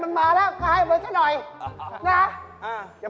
ทำตามพี่เขาบอกสิเอาด้วย